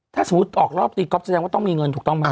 ถ้าสมมุติออกรอบตีก๊อฟแสดงว่าต้องมีเงินถูกต้องไหม